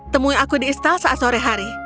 temui aku di istal saat sore hari